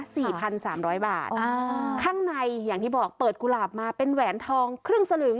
สี่พันสามร้อยบาทอ่าข้างในอย่างที่บอกเปิดกุหลาบมาเป็นแหวนทองครึ่งสลึง